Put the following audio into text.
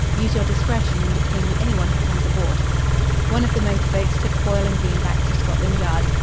Use your discretion in detaining any one who comes aboard." One of the motor boats took Foyle and Green back to Scotland Yard.